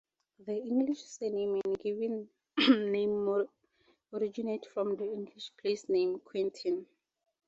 The English surname and given name may originate from the English place name Quinton.